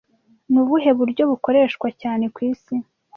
Ni ubuhe buryo bukoreshwa cyane ku isi